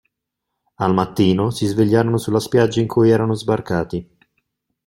Al mattino, si svegliarono sulla spiaggia in cui erano sbarcati.